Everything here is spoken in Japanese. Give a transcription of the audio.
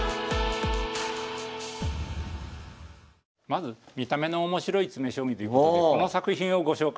まず見た目のおもしろい詰将棋ということでこの作品をご紹介いたします。